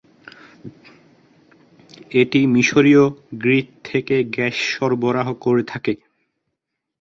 এটি মিশরীয় গ্রিড থেকে গ্যাস সরবরাহ করে থাকে।